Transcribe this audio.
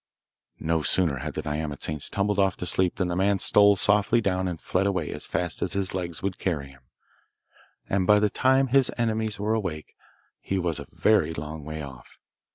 No sooner had the nyamatsanes tumbled off to sleep than the man stole softly down and fled away as fast as his legs would carry him, and by the time his enemies were awake he was a very long way off.